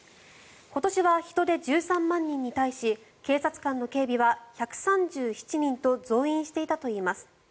今年は人出１３万人に対し警察官の警備は１３７人と増員していたといいます。